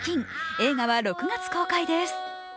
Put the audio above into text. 映画は６月公開です。